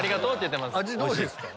味どうですか？